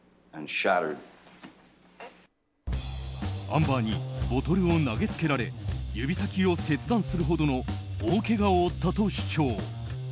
アンバーにボトルを投げつけられ指先を切断するほどの大けがを負ったと主張。